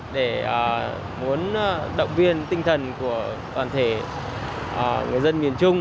bọn em muốn động viên tinh thần của toàn thể người dân miền trung